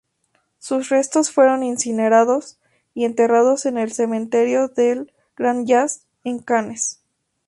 Sus restos fueron incinerados y enterrados en el Cementerio del Grand Jas, en Cannes.